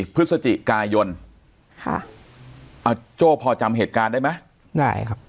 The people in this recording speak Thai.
พฤศจิกายนค่ะเอาโจ้พอจำเหตุการณ์ได้ไหมได้ครับ